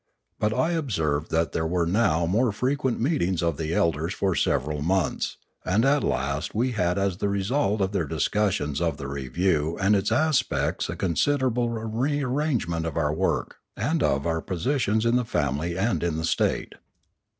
But I observed that there were now more frequent meetings of the elders for several months, and at last we had as the result of their discus sion of the review and its aspects a considerable re arrangement of our work, and of our positions in the family and in the state.